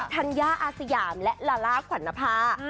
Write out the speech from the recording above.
ทันยาอาสยามและลาลาขวัญภา